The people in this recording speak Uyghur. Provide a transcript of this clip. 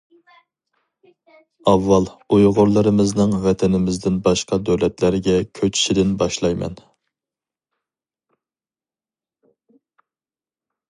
ئاۋۋال ئۇيغۇرلىرىمىزنىڭ ۋەتىنىمىزدىن باشقا دۆلەتلەرگە كۆچۈشىدىن باشلايمەن.